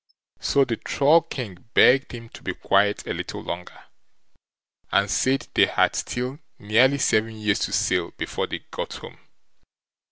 So the Troll King begged him to be quiet a little longer, and said they had still nearly seven years to sail before they got home.